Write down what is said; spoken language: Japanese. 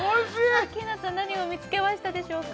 アッキーナさん何を見つけましたでしょうか？